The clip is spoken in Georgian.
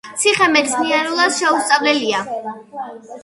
ციხე მეცნიერულად შეუსწავლელია.